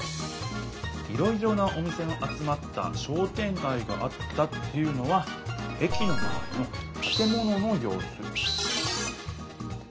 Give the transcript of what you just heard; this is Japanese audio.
「いろいろなお店の集まった『商店がい』があった」っていうのは駅のまわりのたて物のようす。